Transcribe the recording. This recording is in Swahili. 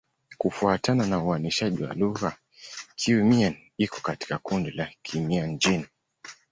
Kufuatana na uainishaji wa lugha, Kiiu-Mien iko katika kundi la Kimian-Jin.